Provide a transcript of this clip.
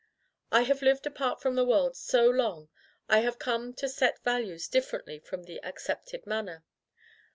" I have lived apart from the world so long, I have come to set values differently from the accepted manner.